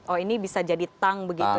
oh ini bisa jadi tang begitu ya